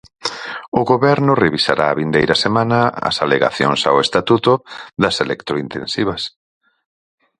O Goberno revisará a vindeira semana as alegacións ao estatuto das electrointensivas.